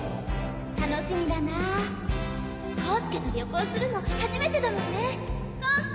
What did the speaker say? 楽しみだなぁ浩介と旅行するの初めて浩介！